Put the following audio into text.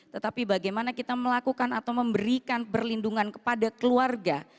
tetapi bagaimana kita melakukan atau memberikan perlindungan kepada keluarga